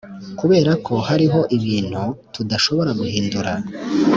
kuberako hariho ibintu tudashobora guhindura.